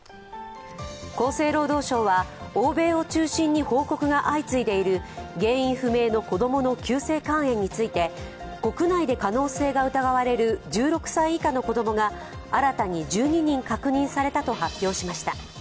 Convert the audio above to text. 厚生労働省は欧米を中心に報告が相次いでいる原因不明の子供の急性肝炎について、国内で可能性が疑われる１６歳以下の子供が新たに１２人確認されたと発表しました。